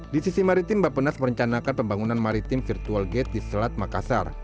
di sisi maritim bapenas merencanakan pembangunan maritim virtual gate di selat makassar